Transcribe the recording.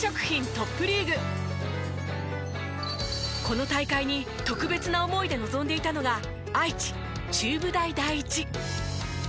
この大会に特別な思いで臨んでいたのが愛知中部大第一。